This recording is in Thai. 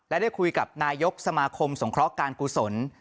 และได้คุยกับนายกสมาคมสงเคราะห์การกุศล